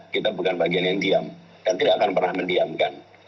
kita bukan bagian yang diam dan tidak akan pernah mendiamkan